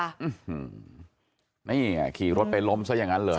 อืมนี่อ่ะขี่รถไปล้มซะอย่างนั้นเลย